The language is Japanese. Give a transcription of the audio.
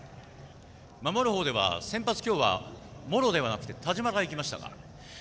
守る方では先発は今日は茂呂ではなく田嶋が行きました。